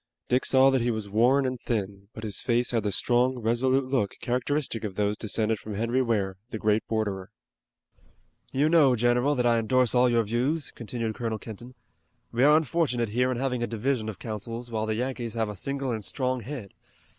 Dick saw that he was worn and thin, but his face had the strong and resolute look characteristic of those descended from Henry Ware, the great borderer. "You know, general, that I endorse all your views," continued Colonel Kenton. "We are unfortunate here in having a division of counsels, while the Yankees have a single and strong head.